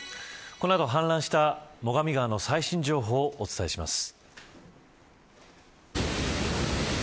この後、氾濫した最上川の最新情報をお伝えします。